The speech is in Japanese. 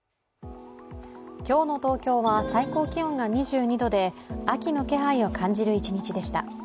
今日の東京は最高気温が２２度で秋の気配を感じる一日でした。